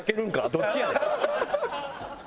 どっちやねん。